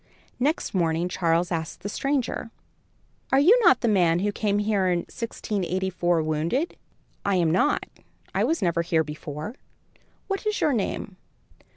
Next morning, Charles asked the stranger: "Are you not the man who came here in 1684, wounded?" "I am not. I was never here before. What is your name?"